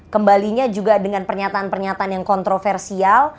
kembalinya juga dengan pernyataan pernyataan yang kontroversial